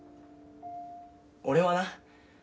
俺はな